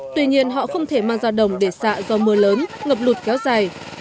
tuy nhiên họ không thể mang ra đồng để xạ do mưa lớn ngập lụt kéo dài